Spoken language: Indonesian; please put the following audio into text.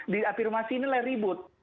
di afirmasi inilah ribut